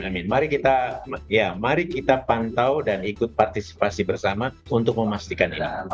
amin mari kita ya mari kita pantau dan ikut partisipasi bersama untuk memastikan ini